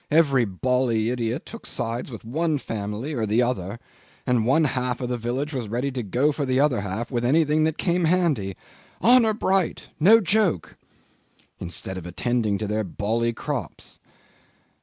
Every bally idiot took sides with one family or the other, and one half of the village was ready to go for the other half with anything that came handy. Honour bright! No joke! ... Instead of attending to their bally crops.